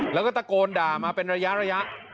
แล้วก็ตะโกนด่ามาเป็นระยะ